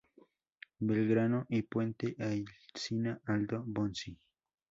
Belgrano y Puente Alsina-Aldo Bonzi.